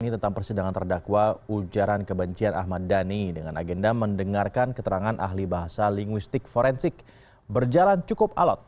tentang persidangan terdakwa ujaran kebencian ahmad dhani dengan agenda mendengarkan keterangan ahli bahasa linguistik forensik berjalan cukup alat